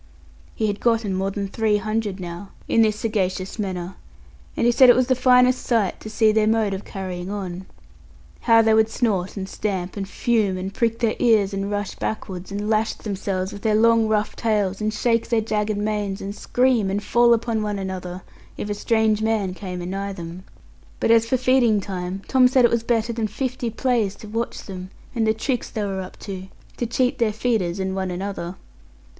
He had gotten more than three hundred now, in this sagacious manner; and he said it was the finest sight to see their mode of carrying on, how they would snort, and stamp, and fume, and prick their ears, and rush backwards, and lash themselves with their long rough tails, and shake their jagged manes, and scream, and fall upon one another, if a strange man came anigh them. But as for feeding time, Tom said it was better than fifty plays to watch them, and the tricks they were up to, to cheat their feeders, and one another.